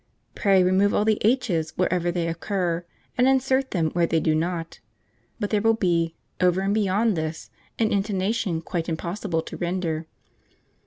Pray remove all the h's wherever they occur, and insert them where they do not; but there will be, over and beyond this, an intonation quite impossible to render.